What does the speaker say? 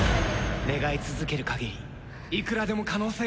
願い続ける限りいくらでも可能性がある！